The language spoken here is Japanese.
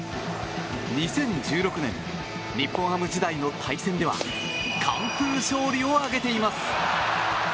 ２０１６年日本ハム時代の対戦では完封勝利を挙げています。